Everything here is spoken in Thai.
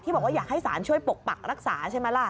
บอกว่าอยากให้ศาลช่วยปกปักรักษาใช่ไหมล่ะ